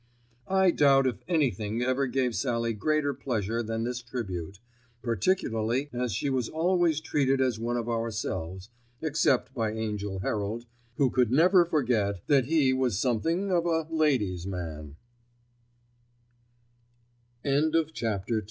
I doubt if anything ever gave Sallie greater pleasure than this tribute, particularly as she was always treated as one of ourselves, except by Angell Herald, who could never forget that he was something of a "ladies